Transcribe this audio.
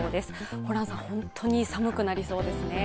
ホランさん、本当に寒くなりそうですね。